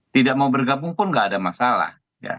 tidak mau bergabung pun tidak ada masalah